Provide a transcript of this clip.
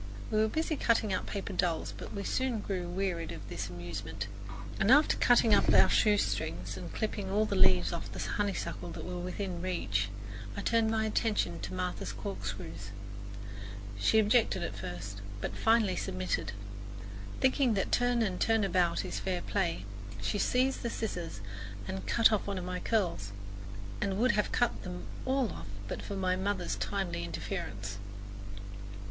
We were busy cutting out paper dolls; but we soon wearied of this amusement, and after cutting up our shoestrings and clipping all the leaves off the honeysuckle that were within reach, I turned my attention to Martha's corkscrews. She objected at first, but finally submitted. Thinking that turn and turn about is fair play, she seized the scissors and cut off one of my curls, and would have cut them all off but for my mother's timely interference.